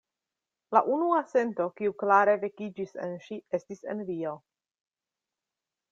La unua sento, kiu klare vekiĝis en ŝi, estis envio.